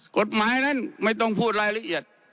กฎหมายนั้นไม่ต้องพูดรายละเอียด